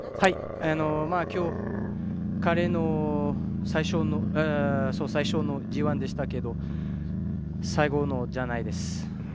今日彼の最初のＧＩでしたけど最後のじゃないです。